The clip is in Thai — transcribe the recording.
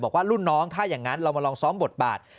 รุ่นน้องถ้าอย่างนั้นเรามาลองซ้อมบทบาท